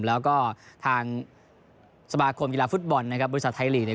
แล้วก็ทางสมาคมกีฬาฟุตบอลนะครับบริษัทไทยลีกเนี่ย